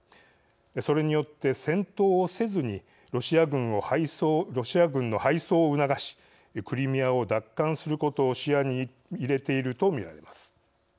それによって戦闘をせずにロシア軍の敗走を促しクリミアを奪還することを視野に入れていると見られます。